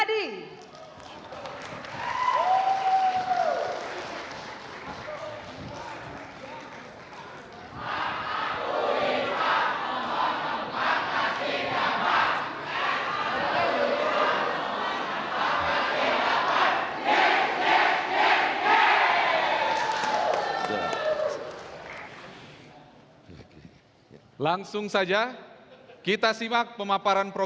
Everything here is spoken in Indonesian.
sampai jumpa di video selanjutnya